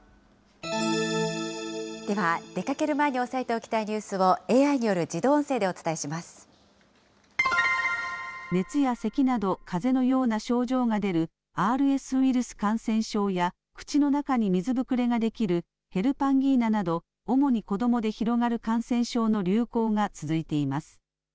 では、出かける前に押さえておきたいニュースをＡＩによる自熱やせきなど、かぜのような症状が出るＲＳウイルス感染症や、口の中に水ぶくれが出来るヘルパンギーナなど、主に子どもで広がる感染症の流行が続いています。